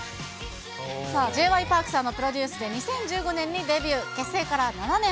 Ｊ．Ｙ．Ｐａｒｋさんのプロデュースで２０１５年にデビュー、結成から７年。